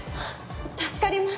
助かります！